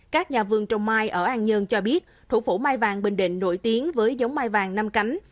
các nhà vườn trồng mai ở an dương cho biết thủ phủ mai vàng bình định nổi tiếng với giống mai vàng năm cánh